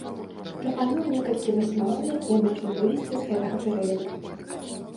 Прапаную некалькі высноваў, якія можна вывесці з гэтага перыяду.